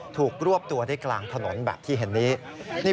รวบตัวได้กลางถนนแบบที่เห็นนี้